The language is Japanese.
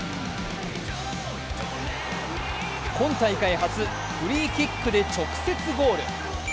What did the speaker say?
今大会初、フリーキックで直接ゴール。